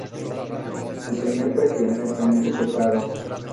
El primer presidente fue Enrique Prado.